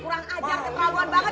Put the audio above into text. kurang aja keperawuan banget